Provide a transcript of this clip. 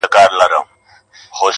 • خو كله ، كله مي بيا.